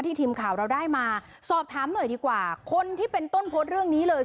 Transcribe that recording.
ทีมข่าวเราได้มาสอบถามหน่อยดีกว่าคนที่เป็นต้นโพสต์เรื่องนี้เลย